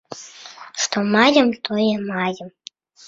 Што маем, тое маем.